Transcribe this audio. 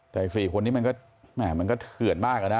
แต่๔คนนี้มันก็เถื่อนมากอะนะ